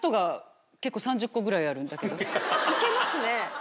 いけますね